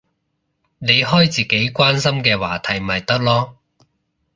你開自己關心嘅話題咪得囉